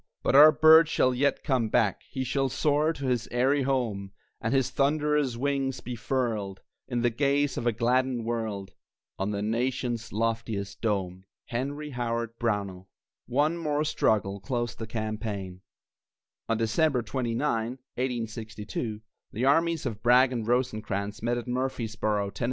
But our bird shall yet come back, He shall soar to his eyrie home, And his thunderous wings be furled, In the gaze of a gladdened world, On the nation's loftiest dome. HENRY HOWARD BROWNELL. One more struggle closed the campaign. On December 29, 1862, the armies of Bragg and Rosecrans met at Murfreesboro, Tenn.